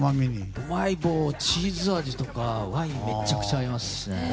うまい棒のチーズ味とかワインにめちゃめちゃ合います。